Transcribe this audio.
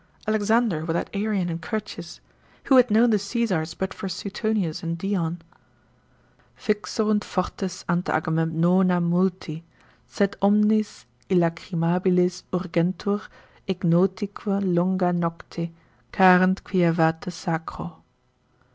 Alexander without Arian and Curtius? who had known the Caesars, but for Suetonius and Dion? Vixerunt fortes ante Agamemnona Multi: sed omnes illachrymabiles Urgentur, ignotique longa Nocte, carent quia vate sacro.